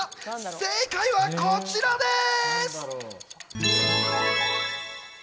正解は、こちらです。